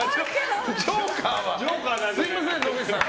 すみません、野口さん。